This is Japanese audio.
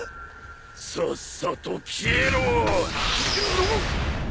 さっさと消えろ！